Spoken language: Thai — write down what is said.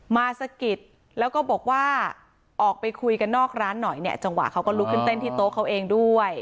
สะกิดแล้วก็บอกว่าออกไปคุยกันนอกร้านหน่อยเนี่ยจังหวะเขาก็ลุกขึ้นเต้นที่โต๊ะเขาเองด้วย